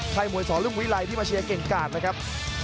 มวยสอรุ่งวิรัยที่มาเชียร์เก่งกาดนะครับ